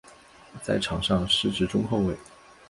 在场上司职中后卫。